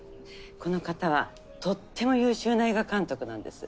この方はとっても優秀な映画監督なんです。